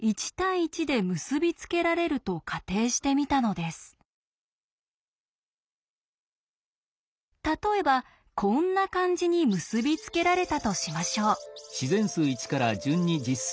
まずカントールは例えばこんな感じに結び付けられたとしましょう。